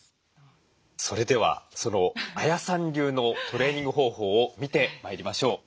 それではそのＡＹＡさん流のトレーニング方法を見てまいりましょう。